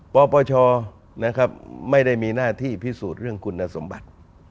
ปปชนะครับไม่ได้มีหน้าที่พิสูจน์เรื่องคุณสมบัติ